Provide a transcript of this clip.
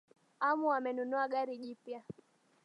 Amu amenunua gari jipya